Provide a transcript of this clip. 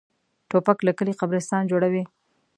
توپک له کلي قبرستان جوړوي.